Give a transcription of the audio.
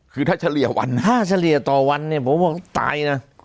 คือถ้าเฉลี่ยวันนะถ้าเฉลี่ยต่อวันเนี่ยผมว่าตายนะ